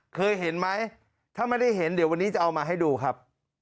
เคยเห็นไหมถ้าไม่ได้เห็นเดี๋ยววันนี้จะเอามาให้ดูครับ